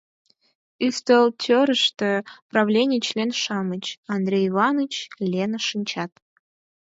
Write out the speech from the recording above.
Ӱстелтӧрыштӧ правлений член-шамыч, Андрей Иваныч, Лена шинчат.